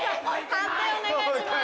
判定お願いします。